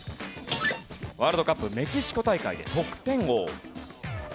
ワールドカップメキシコ大会で得点王。